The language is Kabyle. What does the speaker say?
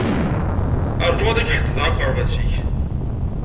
Ṛju ad ak-ḥeddedeɣ akerbas-ik.